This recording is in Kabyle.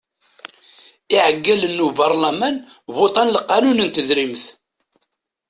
Iɛeggalen n ubarlaman votan lqanun n tedrimt.